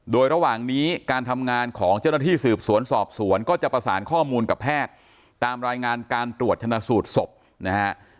โดยระหว่างนี้การทำงานของเจ้าหน้าที่สืบสวนสอบสวนก็จะประสานข้อมูลกับแพทย์ตามรายงานการตรวจชนะสูตรศพนะฮะ